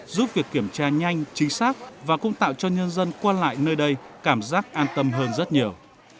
giúp việc kiểm tra nhanh chính xác và cũng tạo cho nhân dân qua lại nơi đây cảm giác an tâm hơn rất nhiều